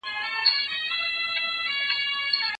مسخره یې هم بابر او هم اکبر کړ